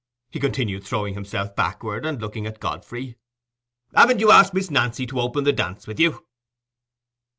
he continued, throwing himself backward, and looking at Godfrey. "Haven't you asked Miss Nancy to open the dance with you?"